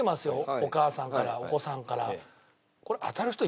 お母さんからお子さんから。